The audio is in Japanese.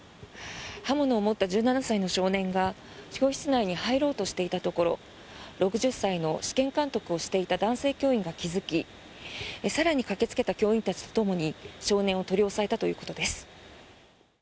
刃物を持った１７歳の少年が教室内に入ろうとしていたところ６０歳の試験監督をしていた男性教員が気付き更に駆けつけた教員たちとともに少年を取り押さえたということです。